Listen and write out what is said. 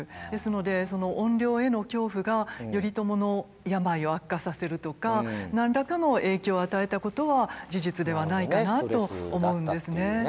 ですので怨霊への恐怖が頼朝の病を悪化させるとか何らかの影響を与えたことは事実ではないかなと思うんですね。